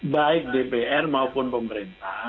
baik dpr maupun pemerintah